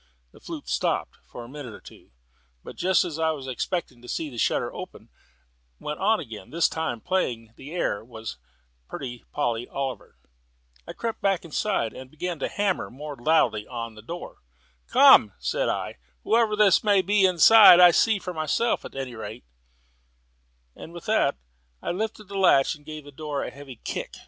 The flute stopped for a minute or so, but just as I was expecting to see the shutter open, went on again: this time the air was "Pretty Polly Oliver." I crept back again, and began to hammer more loudly at the door. "Come," said I, "whoever this may be inside, I'll see for myself at any rate," and with that I lifted the latch and gave the door a heavy kick.